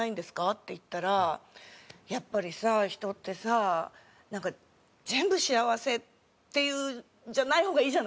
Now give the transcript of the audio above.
って言ったら「やっぱりさ人ってさなんか全部幸せじゃない方がいいじゃない」って言われて。